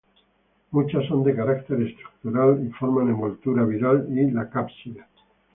Muchas son de carácter estructural y forman envoltura viral y la cápside.